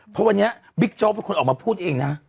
เพราะวันนี้บิ๊กโจ๊กเป็นคนออกมาพูดเองนะ